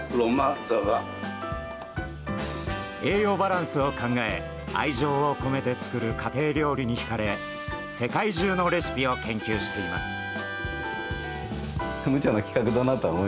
栄養バランスを考え愛情を込めて作る家庭料理にひかれ世界中のレシピを研究しています。